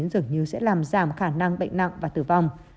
dường như sẽ làm giảm khả năng bệnh nặng và tử vong